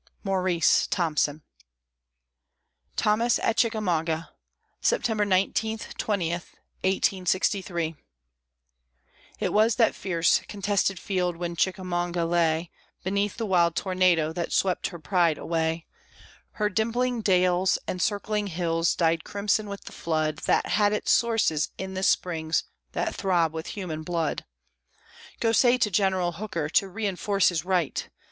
MAURICE THOMPSON. THOMAS AT CHICKAMAUGA [September 19, 20, 1863] It was that fierce contested field when Chickamauga lay Beneath the wild tornado that swept her pride away; Her dimpling dales and circling hills dyed crimson with the flood That had its sources in the springs that throb with human blood. "_Go say to General Hooker to reinforce his right!